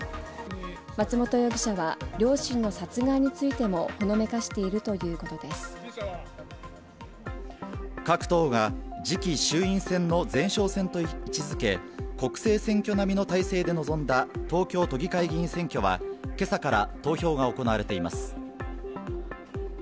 松本容疑者は、両親の殺害についてもほのめかしているということ各党が、次期衆院選の前哨戦と位置づけ、国政選挙並みの態勢で臨んだ東京都議会議員選挙は、けさから投票が行われています。